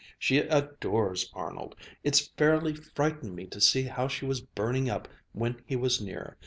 She adores Arnold! It fairly frightened me to see how she was burning up when he was near.